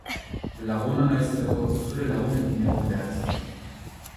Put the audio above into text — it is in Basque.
Lagun ona izateko, zure lagunekin egon behar zara.